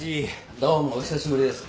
どうもお久しぶりです。